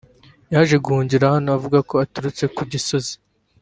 yaje ahungiye hano avuga ko aturutse ku Gisozi